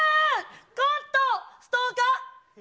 コント、ストーカー。